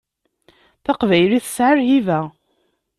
Taqbaylit tesɛa lhiba.